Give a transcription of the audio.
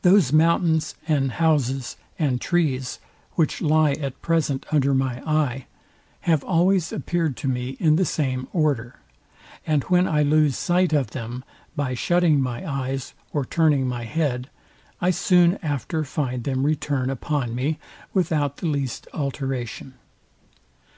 Those mountains, and houses, and trees, which lie at present under my eye, have always appeared to me in the same order; and when I lose sight of them by shutting my eyes or turning my head, I soon after find them return upon me without the least alteration.